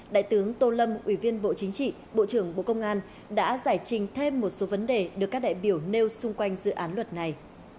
đại tướng tô lâm ủy viên bộ chính trị bộ trưởng bộ công an đã giải trình thêm một số vấn đề được các đại biểu nêu xung quanh dự án luật này